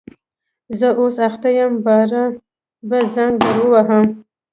زه اوس اخته یم باره به زنګ در ووهم